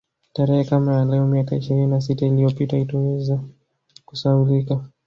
Tarehe kama ya leo miaka ishirini na sita iliyopita haitoweza kusahaulika